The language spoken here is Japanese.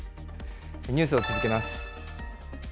ニュースを続けます。